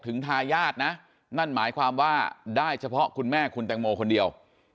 ทายาทนะนั่นหมายความว่าได้เฉพาะคุณแม่คุณแตงโมคนเดียว